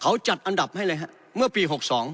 เขาจัดอันดับให้เลยฮะเมื่อปี๖๒